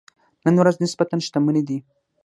نن ورځ نسبتاً شتمنې دي.